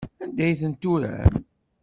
Anda ay tent-turam?